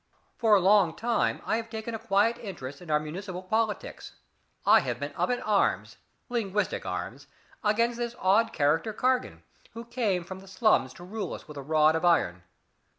For a long time I have taken a quiet interest in our municipal politics. I have been up in arms linguistic arms against this odd character Cargan, who came from the slums to rule us with a rod of iron.